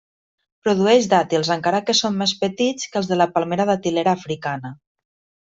Produeix dàtils encara que són més petits que els de la palmera datilera africana.